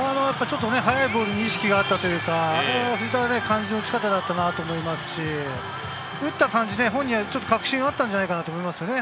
速いボールに意識があったというか、そういう打ち方だったと思いますし、打った感じ、本人、確信があったんじゃないかと思いますね。